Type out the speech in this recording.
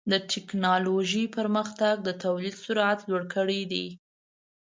د ټکنالوجۍ پرمختګ د تولید سرعت لوړ کړی دی.